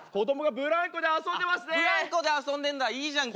ブランコで遊んでんだいいじゃんか。